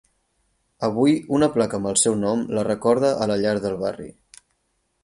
Avui una placa amb el seu nom la recorda a la llar del barri.